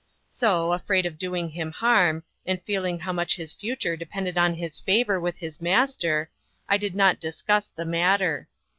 So, afraid of doing him harm, and feeling how much his future depended on his favour with his master, I did not discuss the matter.